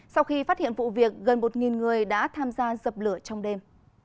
sau khi phát hiện vụ việc gần một người đã tham gia dập lửa trong đêm